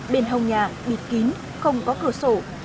bên hồng nhà bịt kín không có cửa sổ